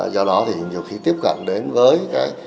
do đó thì nhiều khi tiếp cận đến với